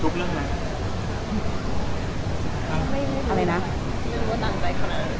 จะเลี่ยงลงตามใจครั้ย